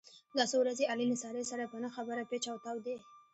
دا څو ورځې علي له سارې سره په نه خبره پېچ او تاو دی.